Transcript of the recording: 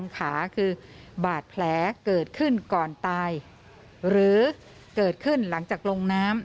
ขาคือบาดแผลเกิดขึ้นก่อนตายหรือเกิดขึ้นหลังจากลงน้ำ